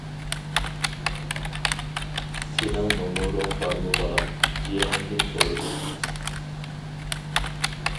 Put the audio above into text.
-سېنىڭ نومۇرۇڭ بارمۇ بالام-، جىيەنىمدىن سورىدىم.